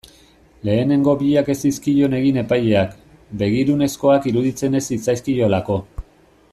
Lehenengo biak ez zizkion egin epaileak, begirunezkoak iruditzen ez zitzaizkiolako.